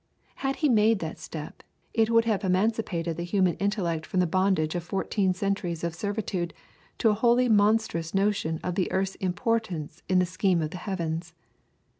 Had he made that step, it would have emancipated the human intellect from the bondage of fourteen centuries of servitude to a wholly monstrous notion of this earth's importance in the scheme of the heavens.